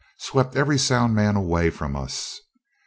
swept every sound man away from us.